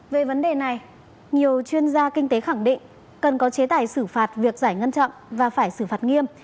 về vấn đề này nhiều chuyên gia kinh tế khẳng định cần có chế tài xử phạt việc giải ngân chậm và phải xử phạt nghiêm